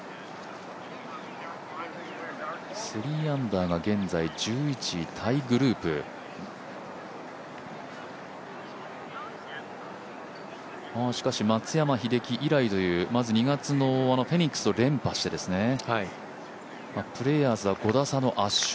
３アンダーが現在１１位タイグループしかし、松山英樹以来という２月のフェニックスを連覇して、プレーヤーズは５打差の圧勝。